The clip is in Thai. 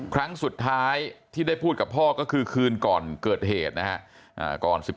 ครั้งสุดท้ายที่ได้พูดกับพ่อก็คือคืนก่อนเกิดเหตุนะครับ